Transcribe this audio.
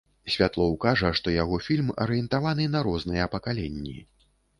Святлоў кажа, што яго фільм арыентаваны на розныя пакаленні.